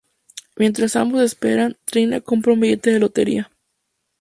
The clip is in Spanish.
Mientras ambos esperan, Trina compra un billete de lotería.